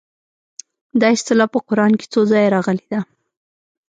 دا اصطلاح په قران کې څو ځایه راغلې ده.